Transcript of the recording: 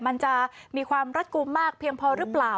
มันจะมีความรัดกลุ่มมากเพียงพอหรือเปล่า